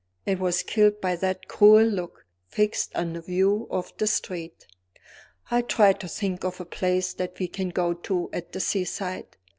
It was killed by that cruel look, fixed on the view of the street. "I'll try to think of a place that we can go to at the seaside."